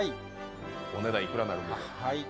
お値段いくらになるか。